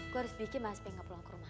gue harus bikin mas b gak pulang ke rumah